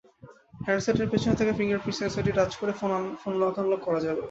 হ্যান্ডসেটের পেছনে থাকা ফিঙ্গারপ্রিন্ট সেন্সরটি টাচ করে ফোন লক-আনলক করা যাবে।